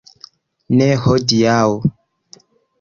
Ne hodiaŭ.